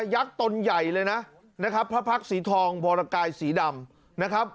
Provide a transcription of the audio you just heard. ยักษ์ตนใหญ่เลยนะพระพรรคสีทองภัวรากายสีดำ